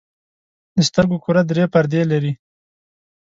د سترګو کره درې پردې لري.